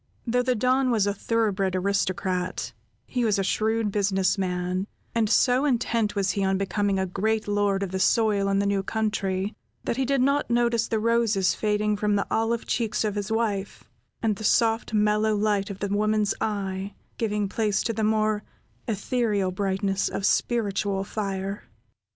Though the Don was a thorough bred aristocrat, he was a shrewd business man, and so intent was he on becoming a great lord of the soil in the new country, that he did not notice the roses fading from the olive cheeks of his wife, and the soft mellow light of the woman's eye giving place to the more ethereal brightness of spiritual fire.